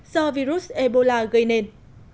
do virus ebola gây nền